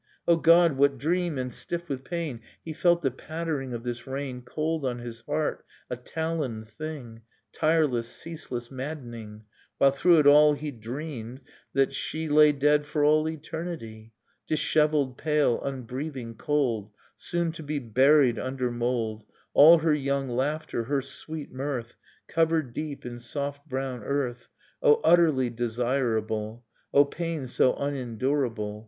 O God, what dream! and stiff with pain He felt the pattering of this rain Cold on his heart, a taloned thing. Tireless, ceaseless, maddening. While through it all he dreamed that she Dust in Starlight Lay dead for all eternity. Dishevelled, pale, unbreathing, cold, Soon to be buried under mould, All her young laughter, her sweet mirth, Covered deep in soft brown earth ... Oh utterh' desirable! Oh pain so unendurable